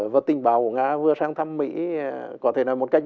và tình bào của nga vừa sang thăm mỹ